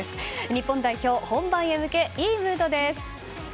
日本代表、本番へ向けいいムードです。